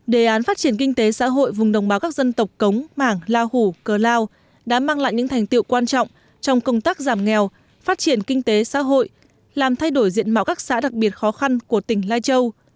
đề án phát triển kinh tế xã hội vùng đồng bào các dân tộc cống mảng la hủ cơ lao đã mang lại những thành tiệu quan trọng trong công tác giảm nghèo phát triển kinh tế xã hội làm thay đổi diện mạo các xã đặc biệt khó khăn của tỉnh lai châu